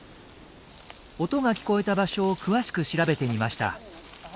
音が聞こえた場所を詳しく調べてみました。